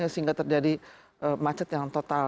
sehingga terjadi macet yang total